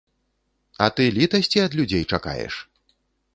А ты літасці ад людзей чакаеш?